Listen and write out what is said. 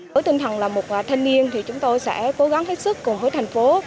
với tinh thần là một thanh niên thì chúng tôi sẽ cố gắng hết sức cùng với thành phố